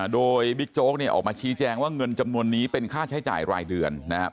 โดยบิ๊กโจ๊กเนี่ยออกมาชี้แจงว่าเงินจำนวนนี้เป็นค่าใช้จ่ายรายเดือนนะครับ